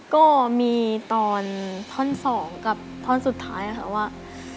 ก็มีตอนท่อน๒กับท่อนสุดท้ายค่ะว่า